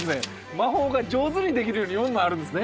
魔法が上手にできるように４枚あるんですね